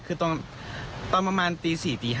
คือต้องต้นประมาณตี๔๕